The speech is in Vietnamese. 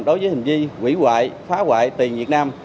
đối với hình di hủy hoại phá hoại tiền việt nam